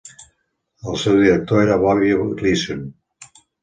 El seu director era Bobby Gleason.